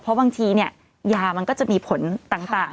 คือบางทีเนี่ยยามันก็จะมีผลต่าง